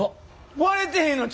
割れてへんのちゃうん！？